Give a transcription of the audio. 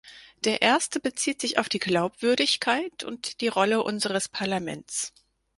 Der erste bezieht sich auf die Glaubwürdigkeit und die Rolle unseres Parlaments.